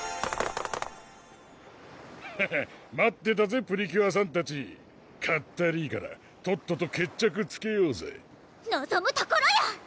フフッ待ってたぜプリキュアさんたちかったりーからとっとと決着つけようぜのぞむところよ